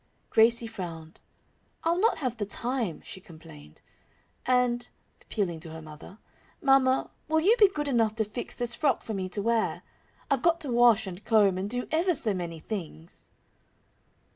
Gracie frowned. "I'll not have the time." she complained. "And," appealing to her mother, "mamma, will you be good enough to fix this frock for me to wear? I've got to wash and comb and do ever so many things."